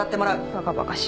バカバカしい。